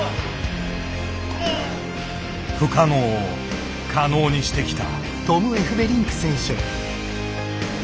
不可能を可能にしてきた。